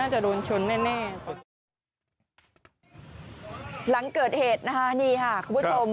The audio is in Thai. หลังเกิดเหตุนะฮะนี่ค่ะคุณผู้ชม